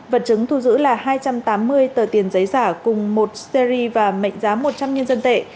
vật chứng thu giữ là hai trăm tám mươi tờ tiền giấy giả cùng một stery và mệnh giá một trăm linh nhân dân tệ